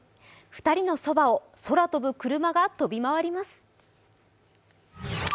２人のそばを空飛ぶ車が飛び回ります。